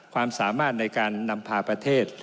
ความสามารถในการนำพาประเทศ